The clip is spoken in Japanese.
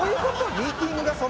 ミーティングがそれ？